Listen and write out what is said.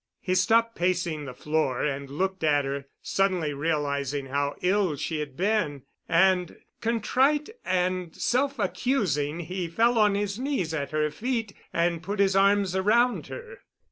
He stopped pacing the floor and looked at her, suddenly realizing how ill she had been, and contrite and self accusing he fell on his knees at her feet and put his arms around her.